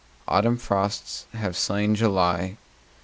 Autumn frosts have slain July.